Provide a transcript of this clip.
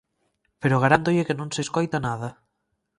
Pero garántolle que non se escoita nada.